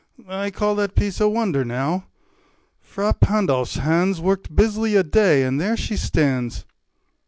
I call That piece a wonder, now: Fra Pandolf's hands Worked busily a day, and there she stands.